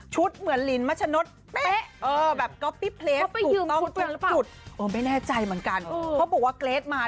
ชุดเหมือนลินมัชนวดเฺะ